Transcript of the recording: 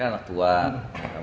kalau gak ketemu nanti salah paham